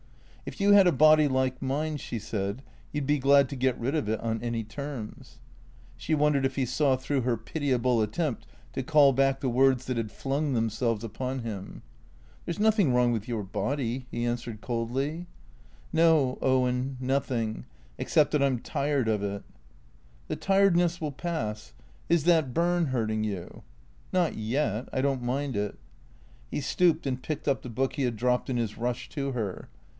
" If you had a body like mine," she said, " you 'd be glad to get rid of it on any terms," She wondered if he saw through her pitiable attempt to call back the words that had flung them selves upon him. " There 's nothing wrong with your body," he answered coldly. " No, Owen, nothing ; except that I 'm tired of it." " The tiredness will pass. Is that burn hurting you ?"" Not yet. I don't mind it." He stooped and picked up the book he had dropped in his rush to her.